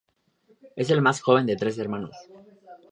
Es la más joven de tres hermanos.